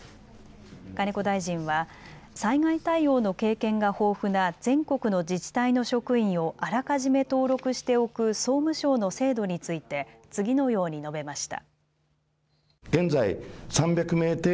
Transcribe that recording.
金子大臣は災害対応の経験が豊富な全国の自治体の職員をあらかじめ登録しておく総務省の制度について次のように述べました。